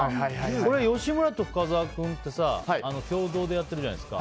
吉村と深澤君って共同でやってるじゃないですか。